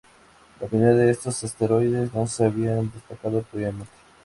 La mayoría de estos asteroides no se había detectado previamente.